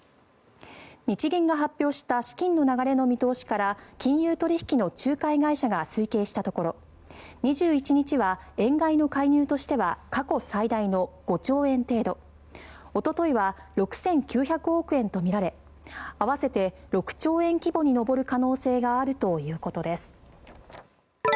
日銀が発表した資金の流れの見通しから金融取引の仲介会社が推計したところ２１日は円買いの介入としては過去最大の５兆円程度おとといは６９００億円とみられ合わせて６兆円規模に上る可能性があるということです。